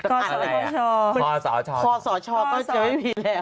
คอสชก็ไปผิดแล้ว